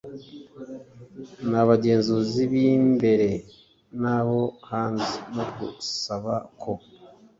n abagenzuzi b imbere n abo hanze no gusaba ko